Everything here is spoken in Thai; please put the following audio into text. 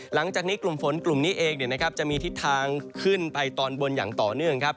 หลังจากนี้กลุ่มฝนกลุ่มนี้เองจะมีทิศทางขึ้นไปตอนบนอย่างต่อเนื่องครับ